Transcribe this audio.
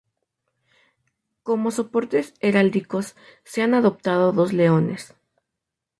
Como soportes heráldicos se han adoptado dos leones.